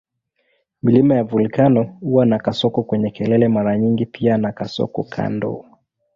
Milima ya volkeno huwa na kasoko kwenye kelele mara nyingi pia na kasoko kando.